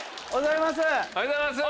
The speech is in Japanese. おはようございます。